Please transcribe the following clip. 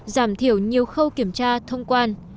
giảm thiểu nhiều khâu kiểm tra thông quan